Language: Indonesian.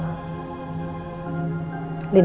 gue ngerasa seperti apa